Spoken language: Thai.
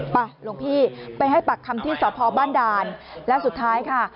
หลวงพี่ไปให้ปากคำที่สพบ้านด่านแล้วสุดท้ายค่ะ